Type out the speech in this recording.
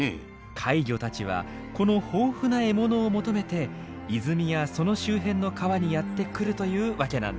怪魚たちはこの豊富な獲物を求めて泉やその周辺の川にやって来るというわけなんです。